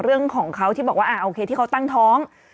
เรื่องของเขาที่บอกว่าโอเคที่เขาตั้งท้อง